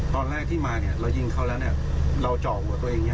ตอนแรกที่มาเรายิงเขาแล้วเราเจาะหัวตัวเองยังไหม